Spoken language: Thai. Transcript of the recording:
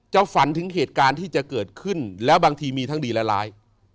ฝันถึงเหตุการณ์ที่จะเกิดขึ้นแล้วบางทีมีทั้งดีและร้าย